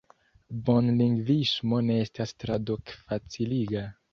Bonlingvismo ne estas traduk-faciliga.